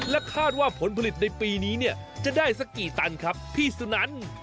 คาดว่าผลผลิตในปีนี้เนี่ยจะได้สักกี่ตันครับพี่สุนัน